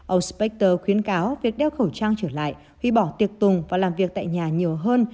ông spactor khuyến cáo việc đeo khẩu trang trở lại hủy bỏ tiệc tùng và làm việc tại nhà nhiều hơn